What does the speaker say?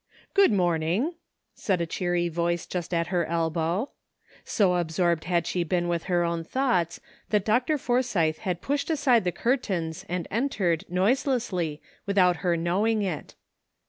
GOOD MORNING," said a cheery voice just at her elbow. So absorbed had she beeii with her own thoughts that Dr. Forsythe had pushed aside the curtains and entered noise lessly without her knowing it.